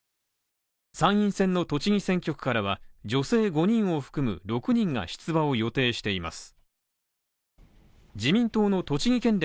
参院選の栃木選挙区からは、女性５人を含む６人が出馬を予定しています。